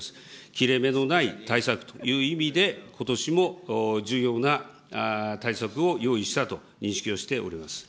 切れ目のない対策という意味で、ことしも重要な対策を用意したと認識をしております。